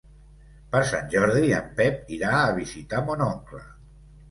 Per Sant Jordi en Pep irà a visitar mon oncle.